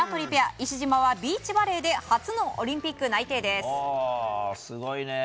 石島はビーチバレーで初のオリンピック内定です。